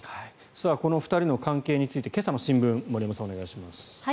この２人の関係について今朝の新聞を森山さんお願いします。